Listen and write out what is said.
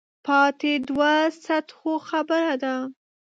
پاتې دوو سطحو خبره ده.